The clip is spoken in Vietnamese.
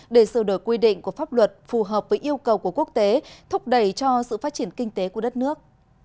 để sửa đổi quy định của pháp luật phù hợp với yêu cầu của quốc tế thúc đẩy cho sự phát triển kinh tế của đất nước